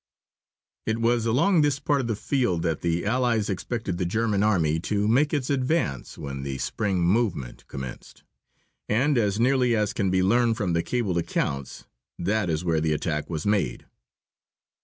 It was along this part of the field that the Allies expected the German Army to make its advance when the spring movement commenced. And as nearly as can be learned from the cabled accounts that is where the attack was made.